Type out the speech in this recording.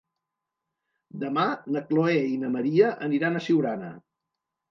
Demà na Chloé i na Maria aniran a Siurana.